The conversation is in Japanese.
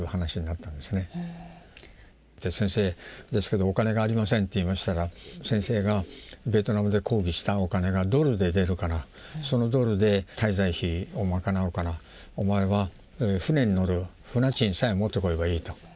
「先生ですけどお金がありません」って言いましたら先生がベトナムで講義したお金がドルで出るからそのドルで滞在費を賄うからお前は船に乗る船賃さえ持ってくればいいと。